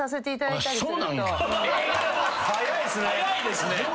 早いっすね。